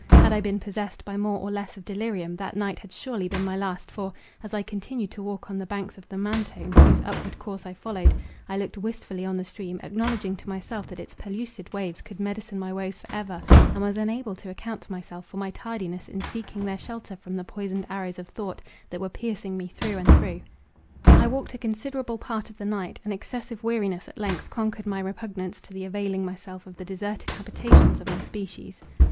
Had I been possessed by more or less of delirium, that night had surely been my last; for, as I continued to walk on the banks of the Mantone, whose upward course I followed, I looked wistfully on the stream, acknowledging to myself that its pellucid waves could medicine my woes for ever, and was unable to account to myself for my tardiness in seeking their shelter from the poisoned arrows of thought, that were piercing me through and through. I walked a considerable part of the night, and excessive weariness at length conquered my repugnance to the availing myself of the deserted habitations of my species.